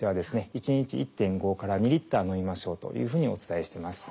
１日１．５から２リッター飲みましょうというふうにお伝えしています。